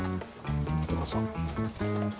どうぞ。